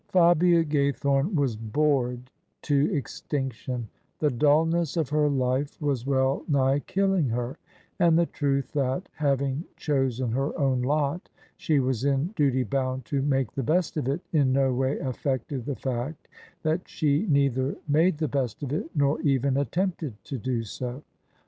Fabia Gaythome was bored to extinction: the dulness of her life was well nigh killing her : and the truth that, hav ing chosen her own lot, she was in duty bound to make the best of it, in no way affected the fact that she neither made THE SUBJECTION the best of it nor even attempted to do so.